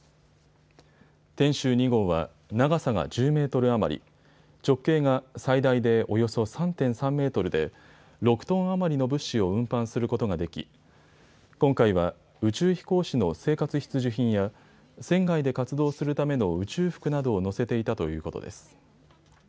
天舟２号は長さが１０メートル余り、直径が最大でおよそ３．３メートルで６トン余りの物資を運搬することができ、今回は宇宙飛行士の生活必需品や船外で活動するための宇宙服などを載せていたということです。